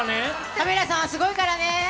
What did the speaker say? カメラさんはすごいからね。